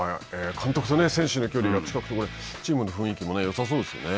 監督と選手の距離が近くてチームの雰囲気もよさそうですよね。